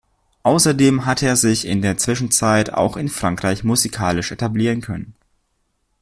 Außerdem hatte er sich in der Zwischenzeit auch in Frankreich musikalisch etablieren können.